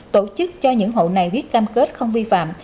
tổ chức cho những hộ này viết cam kết không vi phạm